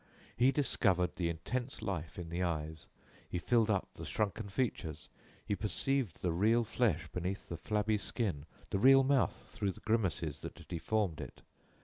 He discovered the intense life in the eyes, he filled up the shrunken features, he perceived the real flesh beneath the flabby skin, the real mouth through the grimaces that deformed it.